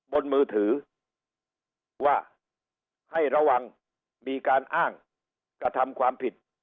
บนมือถือว่าให้ระวังมีการอ้างกระทำความผิด